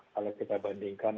kalau kita bandingkan